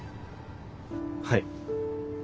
はい。